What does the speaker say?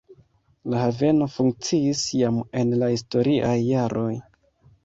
La haveno funkciis jam en la historiaj jaroj.